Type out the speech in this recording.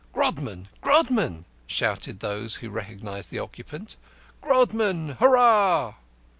"Grodman! Grodman!" shouted those who recognised the occupant. "Grodman! Hurrah!"